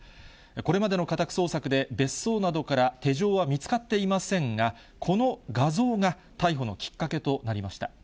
これまでの家宅捜索で、別荘などから手錠は見つかっていませんが、この画像が、逮捕のきっかけとなりました。